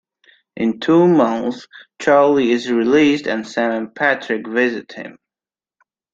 In two months Charlie is released, and Sam and Patrick visit him.